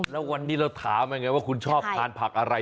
แล้ววันนี้เราถามยังไงว่าคุณชอบทานผักอะไร